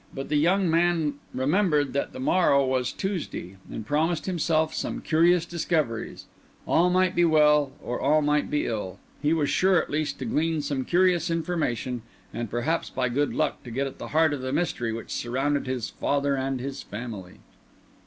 But the young man remembered that the morrow was Tuesday, and promised himself some curious discoveries; all might be well, or all might be ill; he was sure, at least, to glean some curious information, and, perhaps, by good luck, get at the heart of the mystery which surrounded his father and his family.